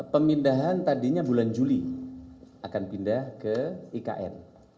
pemindahan tadinya bulan juli akan pindah ke ikn